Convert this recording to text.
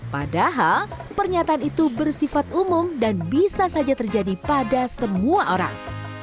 padahal pernyataan itu bersifat umum dan bisa saja terjadi pada semua orang